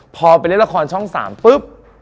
พอไปเล่นละครช่อง๓ปุ๊บ